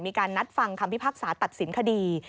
มีการนัดฟังคำพิพากษาตัดสินคดี